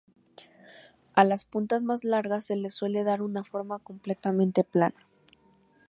A las puntas más largas se les suele dar una forma completamente plana.